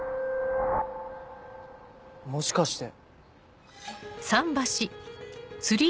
もしかして。